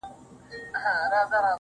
خاونده زور لرم خواږه خو د يارۍ نه غواړم~